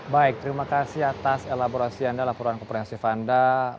baik terima kasih atas elaborasi anda laporan komprehensif anda